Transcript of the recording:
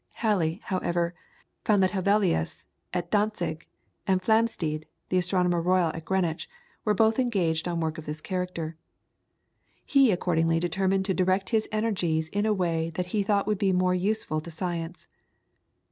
Halley, however, found that Hevelius, at Dantzig, and Flamsteed, the Astronomer Royal at Greenwich, were both engaged on work of this character. He accordingly determined to direct his energies in a way that he thought would be more useful to science.